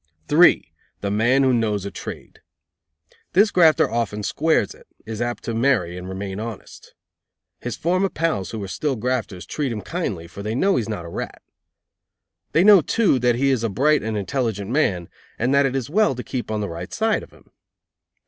3. The man who knows a trade. This grafter often "squares" it, is apt to marry and remain honest. His former pals, who are still grafters, treat him kindly, for they know he is not a rat. They know, too, that he is a bright and intelligent man, and that it is well to keep on the right side of him.